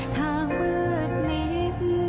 ทางเมื่อเมื่อ